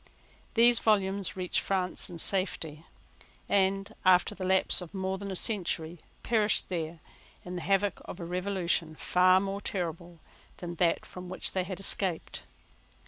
These volumes reached France in safety, and, after the lapse of more than a century, perished there in the havoc of a revolution far more terrible than that from which they had escaped.